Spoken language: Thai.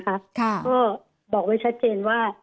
ก็บอกไว้ชัดเจนว่า